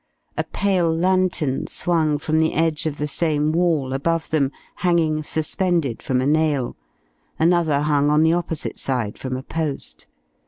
A pale lantern swung from the edge of the same wall, above them, hanging suspended from a nail; another hung on the opposite side from a post.